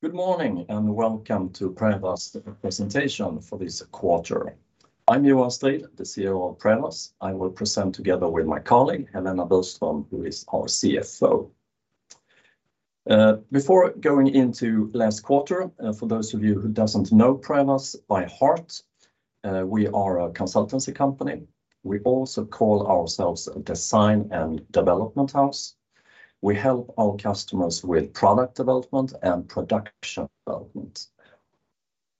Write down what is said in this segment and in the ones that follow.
Good morning, welcome to Prevas Presentation for this quarter. I'm Johan Strid, the CEO of Prevas. I will present together with my colleague, Helena Burström, who is our CFO. Before going into last quarter, for those of you who doesn't know Prevas by heart, we are a consultancy company. We also call ourselves a design and development house. We help our customers with product development and production development.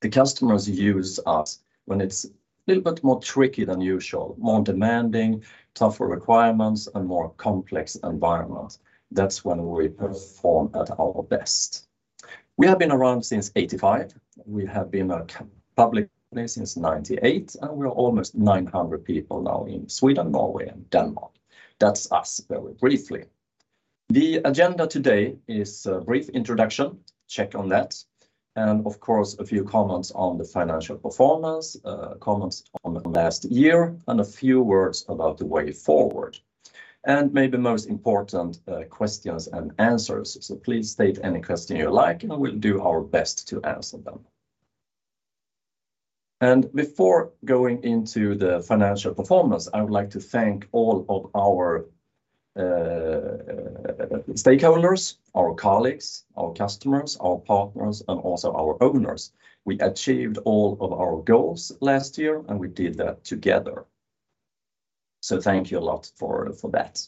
The customers use us when it's little bit more tricky than usual, more demanding, tougher requirements, and more complex environments. That's when we perform at our best. We have been around since 1985. We have been public since 1998, and we're almost 900 people now in Sweden, Norway, and Denmark. That's us very briefly. The agenda today is a brief introduction, check on that, of course, a few comments on the financial performance, comments on the last year, and a few words about the way forward. Maybe most important, questions and answers. Please state any question you like, and we'll do our best to answer them. Before going into the financial performance, I would like to thank all of our stakeholders, our colleagues, our customers, our partners, and also our owners. We achieved all of our goals last year, and we did that together. Thank you a lot for that.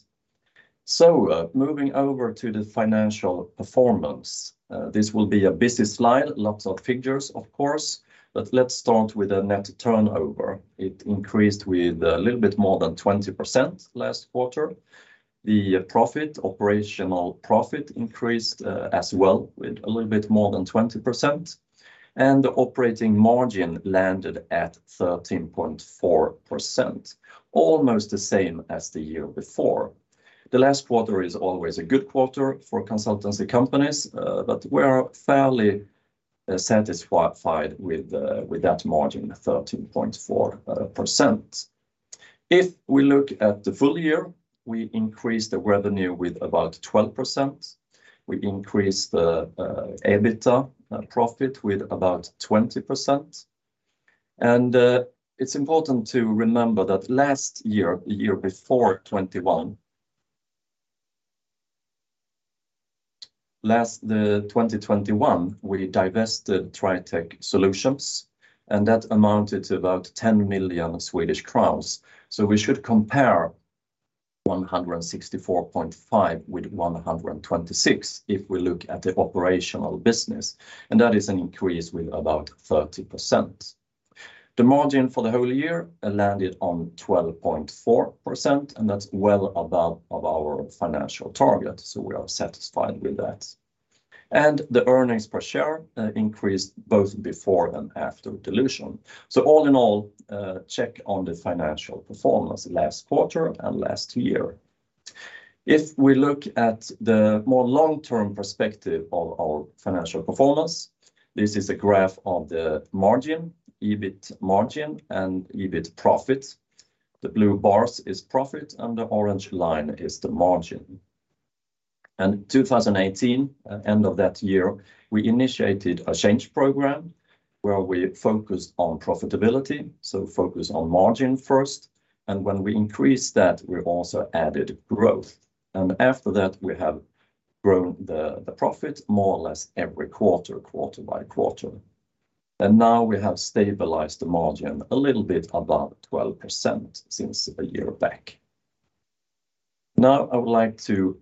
Moving over to the financial performance, this will be a busy slide, lots of figures, of course, but let's start with the net turnover. It increased with a little bit more than 20% last quarter. The profit, operational profit increased as well with a little bit more than 20%, and the operating margin landed at 13.4%, almost the same as the year before. The last quarter is always a good quarter for consultancy companies, but we're fairly satisfied with that margin, 13.4%. If we look at the full year, we increased the revenue with about 12%. We increased the EBITDA profit with about 20%. It's important to remember that last year, 2021, we divested Tritech Solutions, and that amounted to about 10 million Swedish crowns. We should compare 164.5 with 126 if we look at the operational business, and that is an increase with about 30%. The margin for the whole year landed on 12.4%, that's well above of our financial target, we are satisfied with that. The earnings per share increased both before and after dilution. All in all, check on the financial performance last quarter and last year. If we look at the more long-term perspective of our financial performance, this is a graph of the margin, EBIT margin, and EBIT profit. The blue bars is profit, the orange line is the margin. In 2018, at end of that year, we initiated a change program where we focused on profitability, focus on margin first, when we increased that, we also added growth. After that, we have grown the profit more or less every quarter by quarter. Now we have stabilized the margin a little bit above 12% since a year back. Now I would like to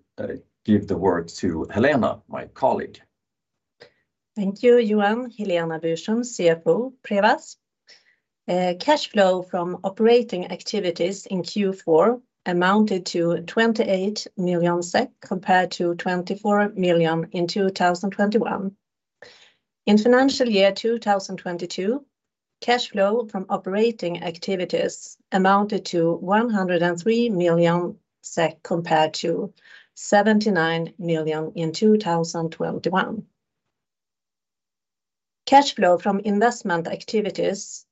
give the word to Helena, my colleague. Thank you, Johan. Helena Burström, CFO, Prevas. Cash flow from operating activities in Q4 amounted to 28 million SEK compared to 24 million in 2021. In FY 2022, cash flow from operating activities amounted to 103 million SEK compared to 79 million in 2021. Cash flow from Investment Activities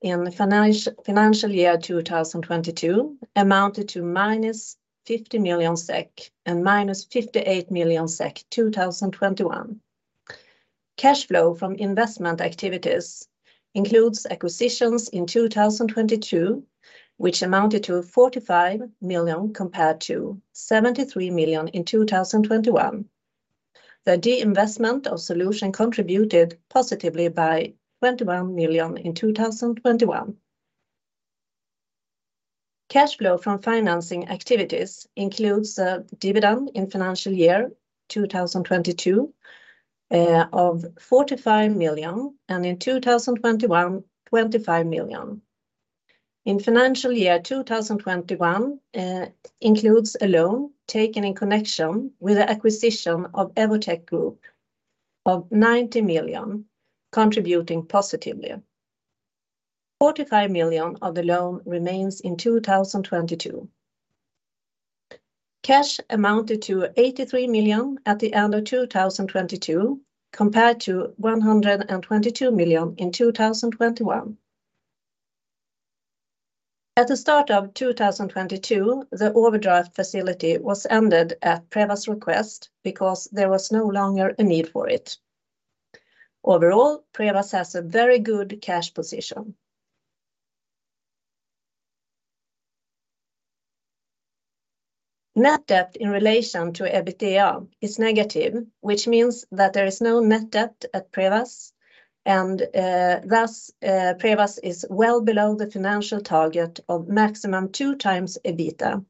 in FY 2022 amounted to minus 50 million SEK and minus 58 million SEK 2021. Cash Flow from Investment Activities includes acquisitions in 2022, which amounted to 45 million compared to 73 million in 2021. The disinvestment of solution contributed positively by 21 million in 2021. Cash flow from financing activities includes a dividend in FY 2022 of 45 million, and in 2021, 25 million. In FY 2021, includes a loan taken in connection with the acquisition of Evotech Group of 90 million, contributing positively. 45 million of the loan remains in 2022. Cash amounted to 83 million at the end of 2022 compared to 122 million in 2021. At the start of 2022, the overdraft facility was ended at Prevas request because there was no longer a need for it. Overall, Prevas has a very good cash position. Net debt in relation to EBITDA is negative, which means that there is no net debt at Prevas, and thus Prevas is well below the financial target of maximum 2x EBITDA.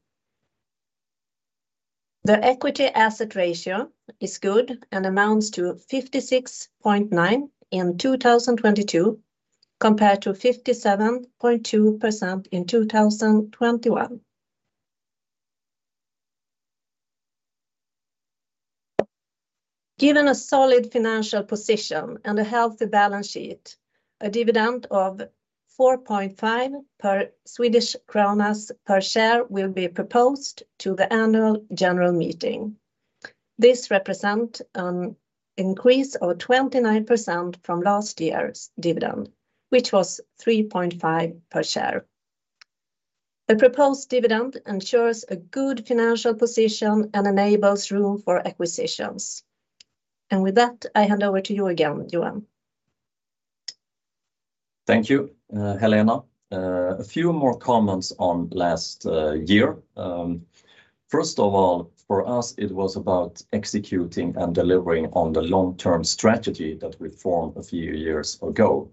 The equity ratio is good and amounts to 56.9% in 2022 compared to 57.2% in 2021. Given a solid financial position and a healthy balance sheet, a dividend of 4.5 per Swedish krona per share will be proposed to the annual general meeting. This represent an increase of 29% from last year's dividend, which was 3.5 per share. The proposed dividend ensures a good financial position and enables room for acquisitions. With that, I hand over to you again, Johan. Thank you, Helena. A few more comments on last year. First of all, for us it was about executing and delivering on the long-term strategy that we formed a few years ago.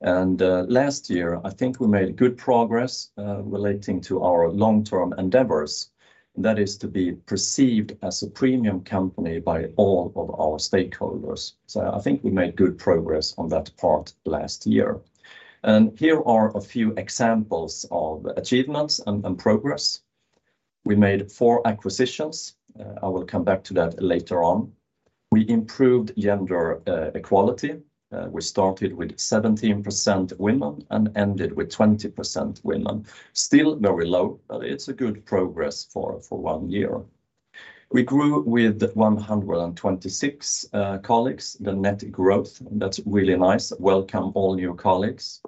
Last year, I think we made good progress relating to our long-term endeavors, that is to be perceived as a premium company by all of our stakeholders. I think we made good progress on that part last year. Here are a few examples of achievements and progress. We made 4 acquisitions. I will come back to that later on. We improved gender equality. We started with 17% women and ended with 20% women. Still very low, but it's good progress for one year. We grew with 126 colleagues, the net growth. That's really nice. Welcome all new colleagues.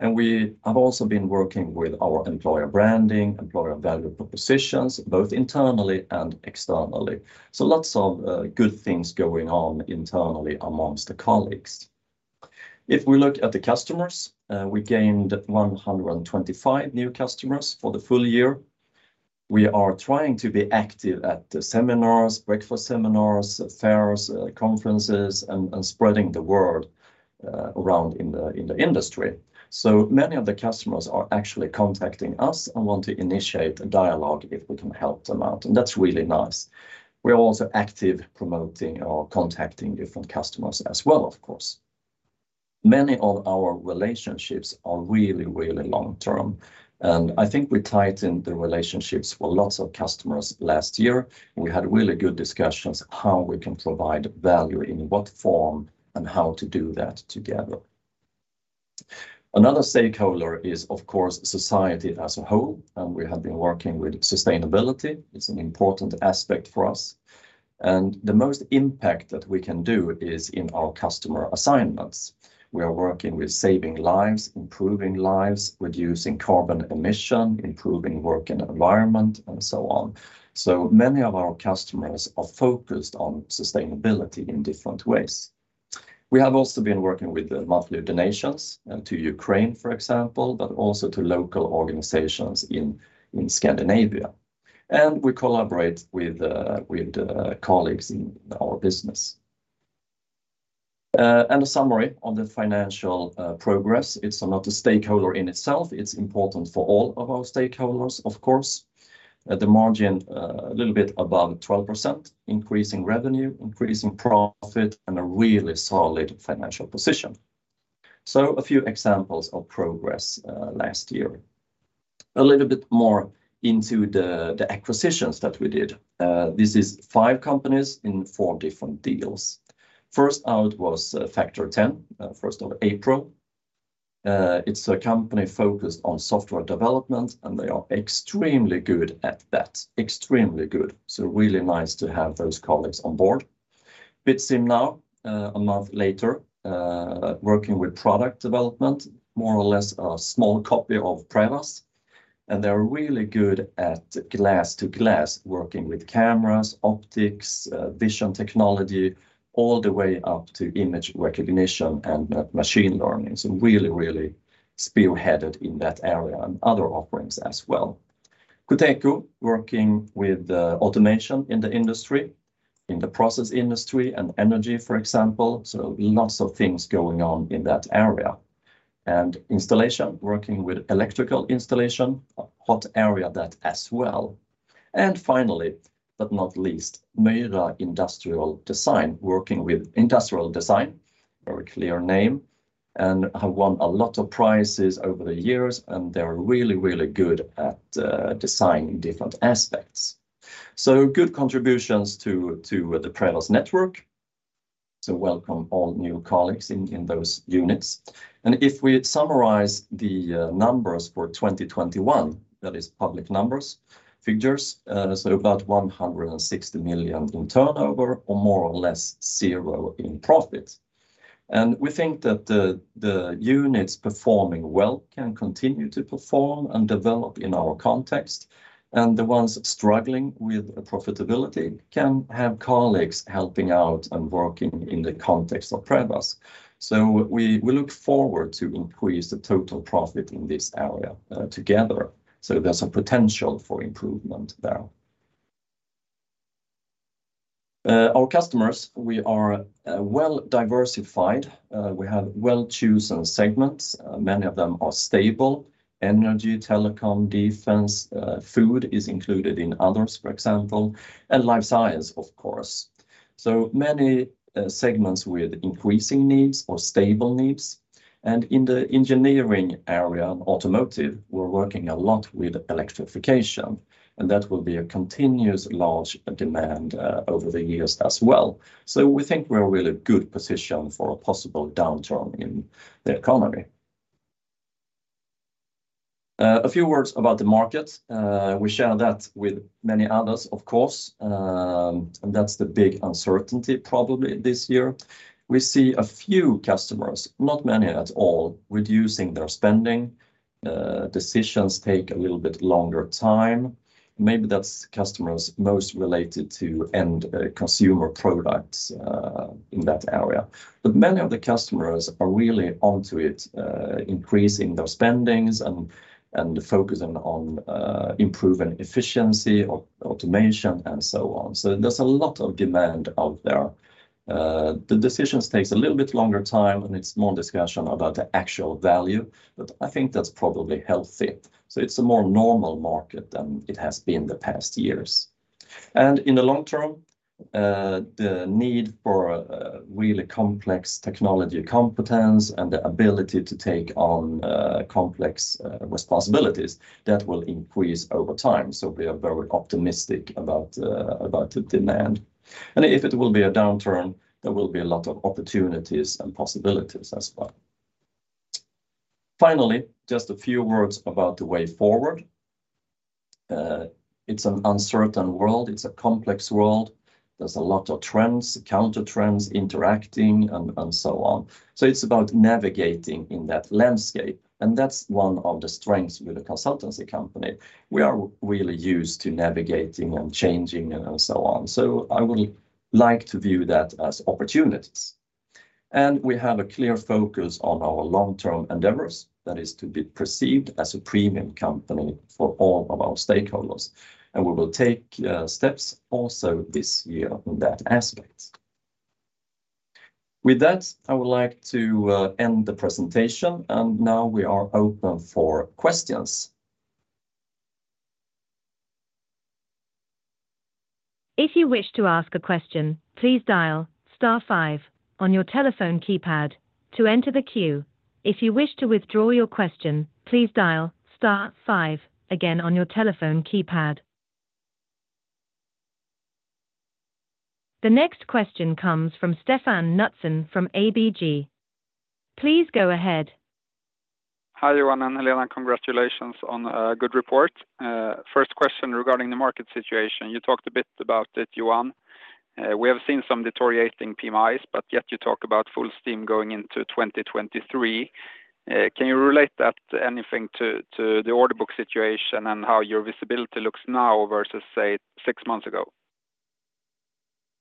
We have also been working with our employer branding, employer value propositions, both internally and externally. Lots of good things going on internally amongst the colleagues. If we look at the customers, we gained 125 new customers for the full year. We are trying to be active at seminars, breakfast seminars, fairs, conferences, and spreading the word around in the industry. Many of the customers are actually contacting us and want to initiate a dialogue if we can help them out, and that's really nice. We are also active promoting or contacting different customers as well, of course. Many of our relationships are really, really long-term. I think we tightened the relationships for lots of customers last year. We had really good discussions how we can provide value in what form and how to do that together. Another stakeholder is, of course, society as a whole. We have been working with sustainability. It's an important aspect for us. The most impact that we can do is in our customer assignments. We are working with saving lives, improving lives, reducing carbon emission, improving work and environment, and so on. Many of our customers are focused on sustainability in different ways. We have also been working with monthly donations to Ukraine, for example, but also to local organizations in Scandinavia. We collaborate with colleagues in our business. A summary on the financial progress. It's not a stakeholder in itself. It's important for all of our stakeholders, of course. The margin, a little bit above 12%, increasing revenue, increasing profit, and a really solid financial position. A few examples of progress last year. A little bit more into the acquisitions that we did. This is five companies in four different deals. First out was Factor10, April 1. It's a company focused on software development, and they are extremely good at that. Extremely good. Really nice to have those colleagues on board. BitSim NOW, one month later, working with product development, more or less a small copy of Prevas. They're really good at glass-to-glass working with cameras, optics, vision technology, all the way up to image recognition and machine learning. Really spearheaded in that area and other offerings as well. Koteko working with automation in the process industry and energy, for example. Lots of things going on in that area. Installation, working with electrical installation, a hot area that as well. Finally, but not least, Myra Industrial Design, working with industrial design, very clear name, and have won a lot of prizes over the years, and they're really good at designing different aspects. Good contributions to the Prevas network. Welcome all new colleagues in those units. If we summarize the numbers for 2021, that is public numbers, figures, about 160 million in turnover or more or less 0 in profit. We think that the units performing well can continue to perform and develop in our context. The ones struggling with profitability can have colleagues helping out and working in the context of Prevas. We look forward to increase the total profit in this area together. There's a potential for improvement there. Our customers, we are well diversified. We have well-chosen segments. Many of them are stable: energy, telecom, defense, food is included in others, for example, and Life Science, of course. Many segments with increasing needs or stable needs. In the engineering area, automotive, we're working a lot with electrification, and that will be a continuous large demand over the years as well. We think we're in a really good position for a possible downturn in the economy. A few words about the market. We share that with many others, of course. That's the big uncertainty probably this year. We see a few customers, not many at all, reducing their spending. Decisions take a little bit longer time. Maybe that's customers most related to end consumer products in that area. Many of the customers are really onto it, increasing their spendings and focusing on improving efficiency or automation and so on. There's a lot of demand out there. The decisions takes a little bit longer time, and it's more discussion about the actual value, but I think that's probably healthy. It's a more normal market than it has been the past years. In the long term, the need for really complex technology competence and the ability to take on complex responsibilities, that will increase over time. We are very optimistic about the demand. If it will be a downturn, there will be a lot of opportunities and possibilities as well. Finally, just a few words about the way forward. It's an uncertain world, it's a complex world. There's a lot of trends, counter trends interacting and so on. It's about navigating in that landscape, and that's one of the strengths with a consultancy company. We are really used to navigating and changing and so on. I would like to view that as opportunities. We have a clear focus on our long-term endeavors, that is to be perceived as a premium company for all of our stakeholders. We will take steps also this year in that aspect. With that, I would like to end the presentation. Now we are open for questions. If you wish to ask a question, please dial star five on your telephone keypad to enter the queue. If you wish to withdraw your question, please dial star five again on your telephone keypad. The next question comes from Stefan Knutsson from ABG. Please go ahead. Hi, Johan and Helena. Congratulations on a good report. First question regarding the market situation. You talked a bit about it, Johan. We have seen some deteriorating PMIs, but yet you talk about full steam going into 2023. Can you relate that anything to the order book situation and how your visibility looks now versus, say, 6 months ago?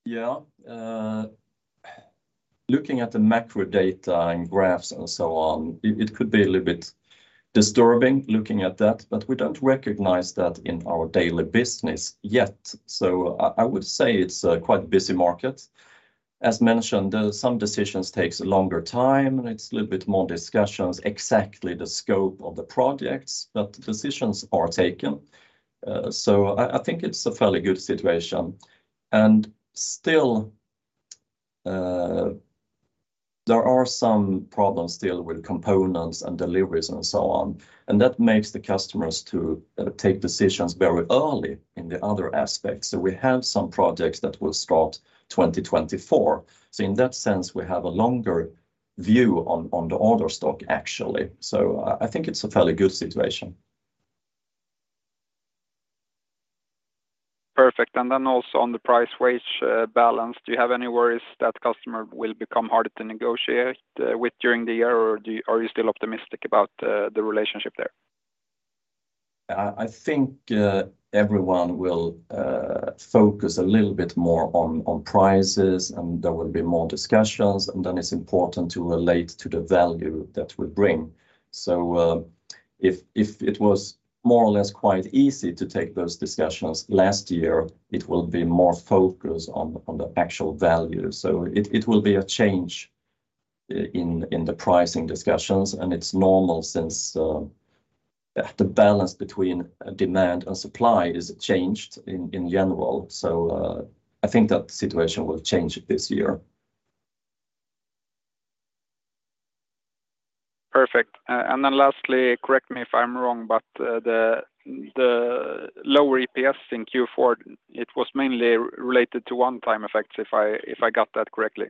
Yeah. Looking at the macro data and graphs and so on, it could be a little bit disturbing looking at that, but we don't recognize that in our daily business yet. I would say it's a quite busy market. As mentioned, some decisions takes a longer time, and it's a little bit more discussions, exactly the scope of the projects, but decisions are taken. I think it's a fairly good situation. Still, there are some problems still with components and deliveries and so on, and that makes the customers to take decisions very early in the other aspects. We have some projects that will start 2024. In that sense, we have a longer view on the order stock, actually. I think it's a fairly good situation. Perfect. Also on the price wage balance, do you have any worries that customer will become harder to negotiate with during the year, or are you still optimistic about the relationship there? I think everyone will focus a little bit more on prices, and there will be more discussions. It's important to relate to the value that we bring. If it was more or less quite easy to take those discussions last year, it will be more focused on the actual value. It will be a change in the pricing discussions. It's normal since the balance between demand and supply is changed in general. I think that situation will change this year. Perfect. Then lastly, correct me if I'm wrong, but, the lower EPS in Q4, it was mainly related to one-time effects, if I got that correctly?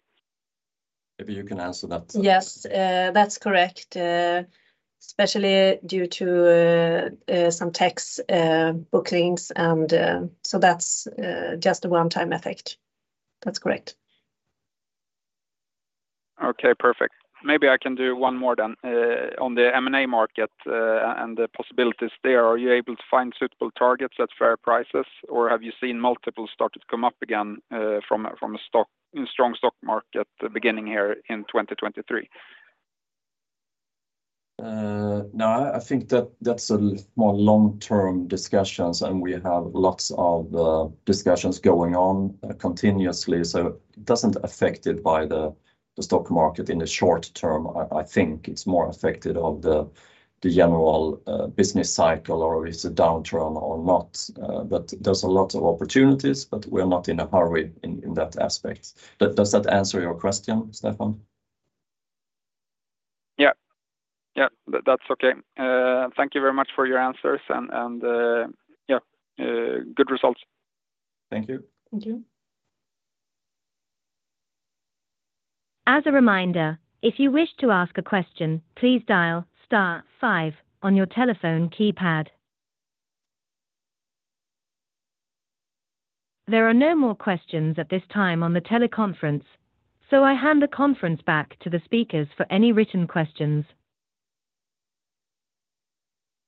Maybe you can answer that. Yes, that's correct. Especially due to some tax bookings and. That's just a one-time effect. That's correct. Okay, perfect. Maybe I can do one more then. On the M&A market, and the possibilities there, are you able to find suitable targets at fair prices, or have you seen multiple started to come up again, from a strong stock market the beginning here in 2023? No, I think that that's a more long-term discussions, and we have lots of discussions going on continuously, so it doesn't affected by the stock market in the short term. I think it's more affected of the general business cycle or if it's a downtrend or not. There's a lot of opportunities, but we're not in a hurry in that aspect. Does that answer your question, Stefan? Yeah. Yeah. That's okay. Thank you very much for your answers, and, yeah, good results. Thank you. Thank you. As a reminder, if you wish to ask a question, please dial star five on your telephone keypad. There are no more questions at this time on the teleconference. I hand the conference back to the speakers for any written questions.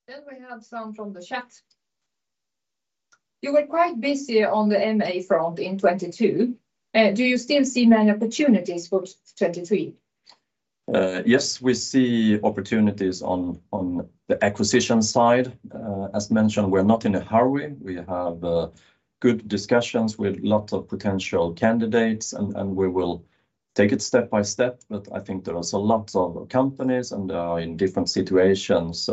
We have some from the chat. You were quite busy on the M&A front in 2022. Do you still see many opportunities for 2023? Yes, we see opportunities on the acquisition side. As mentioned, we're not in a hurry. We have good discussions with lots of potential candidates, and we will take it step by step. I think there is a lot of companies and in different situations.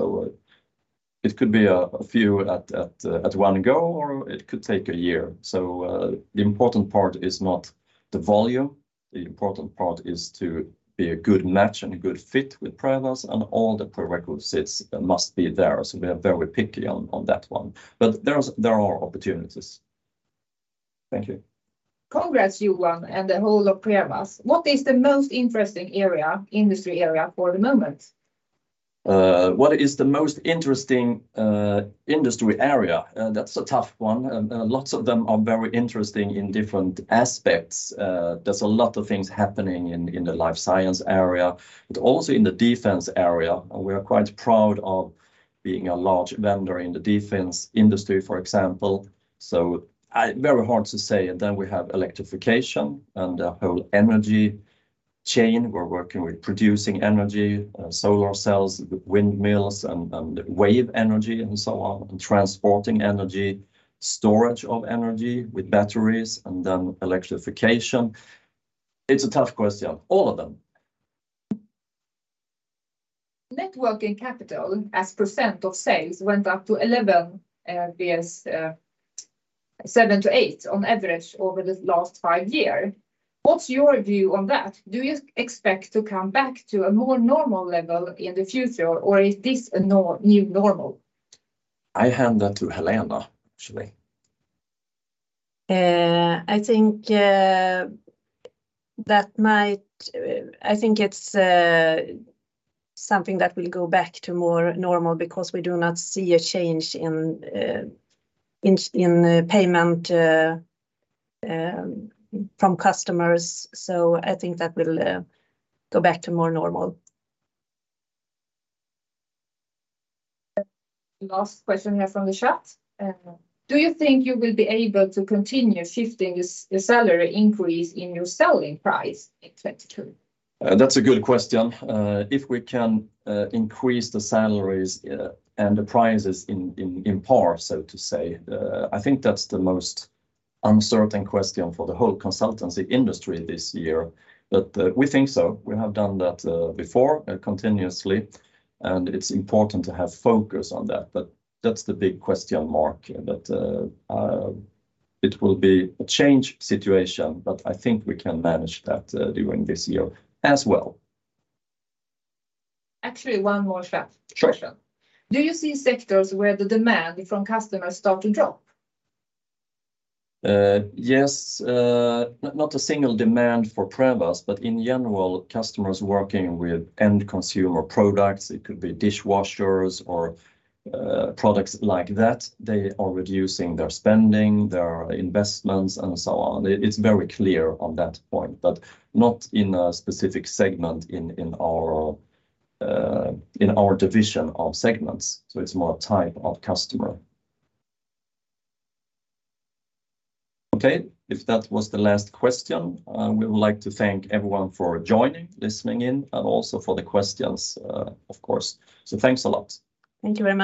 It could be a few at one go, or it could take a year. The important part is not the volume. The important part is to be a good match and a good fit with Prevas, and all the prerequisites must be there. We are very picky on that one. There are opportunities. Thank you. Congrats, Johan, and the whole of Prevas. What is the most interesting area, industry area for the moment? What is the most interesting industry area? That's a tough one. Lots of them are very interesting in different aspects. There's a lot of things happening in the Life Science area, but also in the defense area. We are quite proud of being a large vendor in the Defense Industry, for example. Very hard to say. We have electrification and the whole energy chain. We're working with producing energy, solar cells, windmills, and wave energy and so on, and transporting energy, storage of energy with batteries, and then electrification. It's a tough question. All of them. Net Working Capital as % of sales went up to 11, versus 7-8 on average over the last 5 year. What's your view on that? Do you expect to come back to a more normal level in the future, or is this a new normal? I hand that to Helena, actually. I think it's something that will go back to more normal because we do not see a change in payment from customers. I think that will go back to more normal. Last question here from the chat. Do you think you will be able to continue shifting the salary increase in your selling price in 2022? That's a good question. If we can increase the salaries and the prices in, in par, so to say, I think that's the most uncertain question for the whole consultancy industry this year. We think so. We have done that before, continuously, and it's important to have focus on that. That's the big question mark that it will be a change situation, but I think we can manage that during this year as well. Actually, one more chat question. Sure. Do you see sectors where the demand from customers start to drop? Yes. not a single demand for Prevas, but in general, customers working with End Consumer Products, it could be dishwashers or products like that, they are reducing their spending, their investments and so on. It's very clear on that point, but not in a specific segment in our division of segments. It's more type of customer. Okay. If that was the last question, we would like to thank everyone for joining, listening in, and also for the questions, of course. Thanks a lot. Thank you very much.